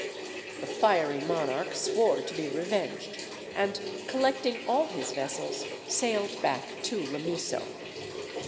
The fiery monarch swore to be revenged, and, collecting all his vessels, sailed back to Limisso.